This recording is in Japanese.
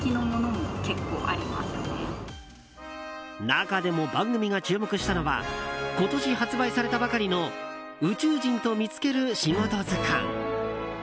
中でも番組が注目したのは今年発売されたばかりの「宇宙人とみつける仕事図鑑」。